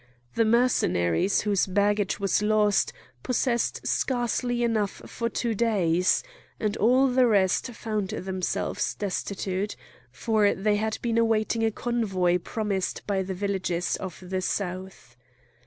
The Mercenaries, whose baggage was lost, possessed scarcely enough for two days; and all the rest found themselves destitute,—for they had been awaiting a convoy promised by the villages of the South.